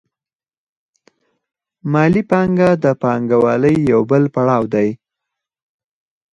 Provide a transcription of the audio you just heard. مالي پانګه د پانګوالۍ یو بل پړاو دی